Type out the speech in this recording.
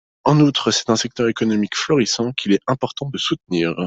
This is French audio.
En outre, c’est un secteur économique florissant, qu’il est important de soutenir.